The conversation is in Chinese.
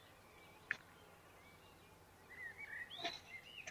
第六任内阁为张善政内阁。